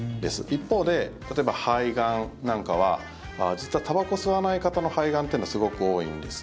一方で、例えば肺がんなんかは実は、たばこを吸わない方の肺がんというのはすごく多いんです。